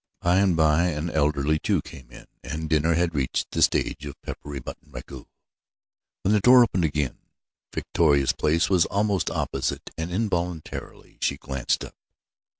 By and by an elderly Jew came in, and dinner had reached the stage of peppery mutton ragout, when the door opened again. Victoria's place was almost opposite, and involuntarily, she glanced up.